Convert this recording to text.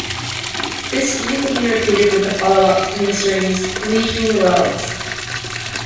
This gimmick would be repeated with the follow-up miniseries "Legion Worlds".